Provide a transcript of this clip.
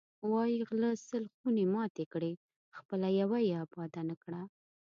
وایی غله سل خونې ماتې کړې، خپله یوه یې اباده نه کړه.